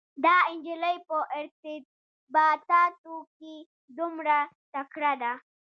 دا انجلۍ په ارتباطاتو کې دومره تکړه ده.